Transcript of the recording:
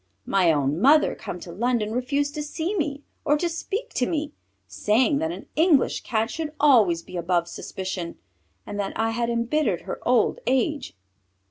My own mother, come to London, refused to see me or to speak to me, saying that an English Cat should always be above suspicion, and that I had embittered her old age.